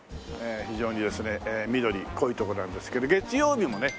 非常にですね緑濃い所なんですけど月曜日もね